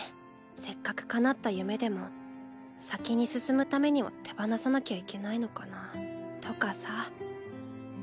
せっかくかなった夢でも先に進むためには手放さなきゃいけないのかなとかさ。